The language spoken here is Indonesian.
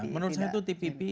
menurut saya tpp